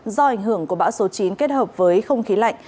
do ảnh hưởng của bão số chín kết hợp với không khí lạnh